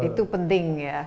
itu penting ya